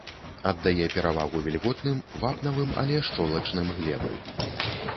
Аддае перавагу вільготным, вапнавым, але шчолачным глебы.